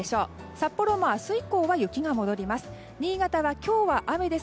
札幌も明日以降は雪が戻ります。